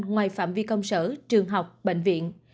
ngoài phạm vi công sở trường học bệnh viện